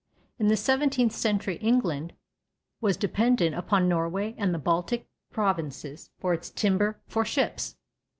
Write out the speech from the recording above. In the seventeenth century England was dependent upon Norway and the Baltic provinces for its timber for ships.